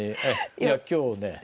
いや今日ね